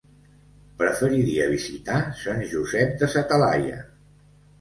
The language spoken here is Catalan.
Preferiria visitar Sant Josep de sa Talaia.